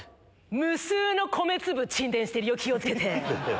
無数の米粒沈殿してるよ気を付けて！